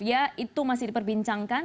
ya itu masih diperbincangkan